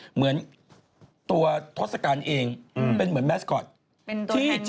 เหมือนตัวทศกัณฐ์เองเป็นเหมือนแมสกอร์ต